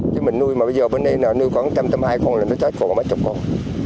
chứ mình nuôi mà bây giờ bên đây nuôi có một trăm tám mươi con là nó chết còn có mấy chục con